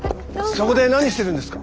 そこで何してるんですか？